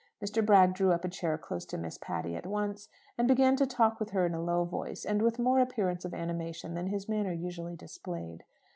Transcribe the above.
Mr. Bragg drew up a chair close to Miss Patty at once, and began to talk with her in a low voice, and with more appearance of animation than his manner usually displayed.